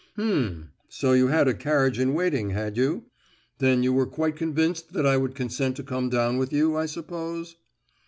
"H'm! so you had a carriage in waiting, had you? Then you were quite convinced that I would consent to come down with you, I suppose?"